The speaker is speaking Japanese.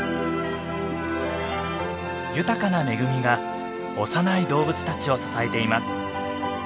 豊かな恵みが幼い動物たちを支えています。